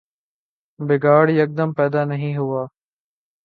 بگاڑ یکدم پیدا نہیں ہوا۔